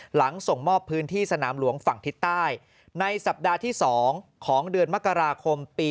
หลังส่งมอบพื้นที่สนามหลวงฝั่งทิศใต้ในสัปดาห์ที่๒ของเดือนมกราคมปี๒๕